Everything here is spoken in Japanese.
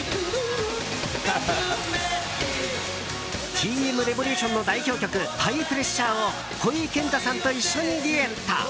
Ｔ．Ｍ．Ｒｅｖｏｌｕｔｉｏｎの代表曲「ハイプレッシャー」をほいけんたさんと一緒にデュエット。